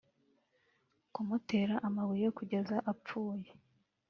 kumutera amabuye kugeza apfuye